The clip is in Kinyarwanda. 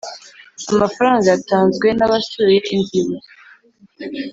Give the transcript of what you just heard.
Amafaranga yatanzwe n abasuye inzibutso